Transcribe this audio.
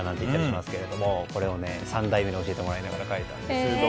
これを３代目に教えてもらいながら書いたんです。